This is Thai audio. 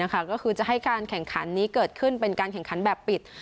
ก็คือจะให้การแข่งขันนี้เกิดขึ้นเป็นการแข่งขันแบบปิด